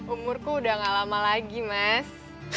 umurku udah gak lama lagi mas